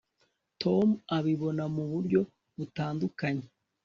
tom abibona muburyo butandukanye